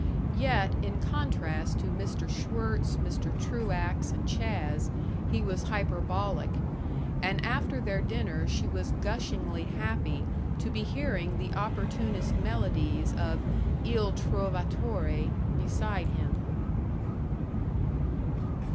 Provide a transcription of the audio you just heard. Yet, in contrast to Mr. Schwirtz, Mr. Truax, and Chas., he was hyperbolic; and after their dinner she was gushingly happy to be hearing the opportunist melodies of "Il Trovatore" beside him.